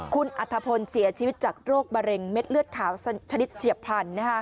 คุณอัธพลเสียชีวิตจากโรคมะเร็งเม็ดเลือดขาวชนิดเฉียบพลัน